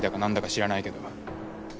知らないけど。